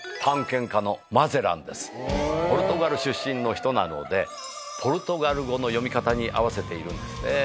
ポルトガル出身の人なのでポルトガル語の読み方に合わせているんですね。